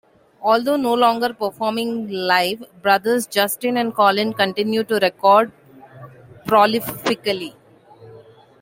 Although no longer performing live, brothers Justin and Colin continued to record prolifically.